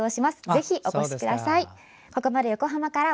ぜひお越しください。